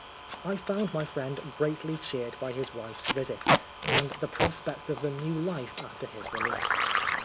I found my friejid greatly cheered by his wife's visit, and the prospect of the new life after his release.